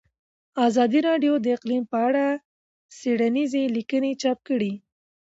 ازادي راډیو د اقلیم په اړه څېړنیزې لیکنې چاپ کړي.